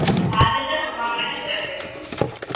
ადიღეს უმაღლესი წერტილი.